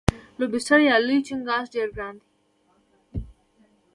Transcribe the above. لوبسټر یا لوی چنګاښ ډیر ګران دی.